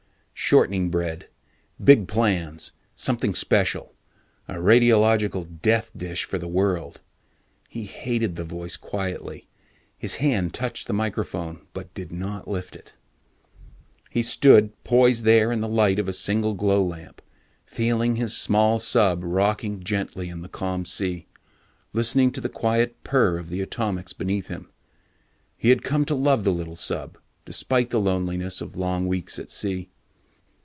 Shortening bread big plans, something special, a radiological death dish for the world. He hated the voice quietly. His hand touched the microphone but did not lift it. He stood poised there in the light of a single glow lamp, feeling his small sub rocking gently in the calm sea, listening to the quiet purr of the atomics beneath him. He had come to love the little sub, despite the loneliness of long weeks at sea.